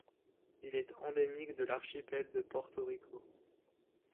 Il est endémique de l’archipel de Porto Rico.